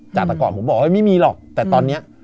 จากแต่ก่อนผมบอกเฮ้ยไม่มีหรอกแต่ตอนนี้